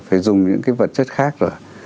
phải dùng những cái vật chất khác rồi